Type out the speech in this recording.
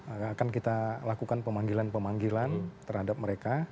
akan kita lakukan pemanggilan pemanggilan terhadap mereka